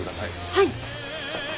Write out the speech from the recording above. はい。